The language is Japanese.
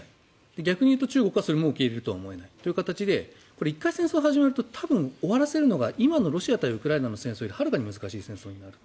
逆に言うと中国もそれを受け入れるとは思えない１回そう始まると終わらせるのが今のロシアとウクライナの戦争よりはるかに難しい戦争になると。